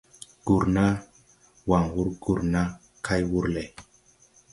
Gurna, waŋ wur gurna kay wur leʼ.